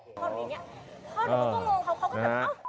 พ่อหนูก็ต้องงงเขาก็แบบว่า